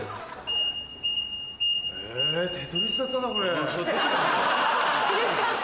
・え『テトリス』だったんだこれ。